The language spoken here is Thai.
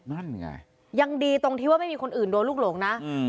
นั่นไงยังดีตรงที่ว่าไม่มีคนอื่นโดนลูกหลงนะ